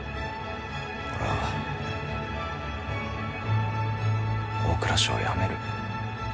俺は大蔵省を辞める。